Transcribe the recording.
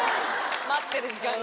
待ってる時間が。